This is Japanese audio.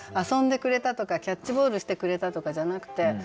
遊んでくれたとかキャッチボールしてくれたとかじゃなくて。